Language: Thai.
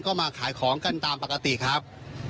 ก็มาขายของกันตามปกติครับ